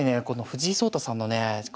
この藤井聡太さんのねえ